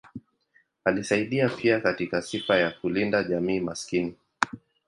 Alisaidia pia katika sifa ya kulinda jamii maskini.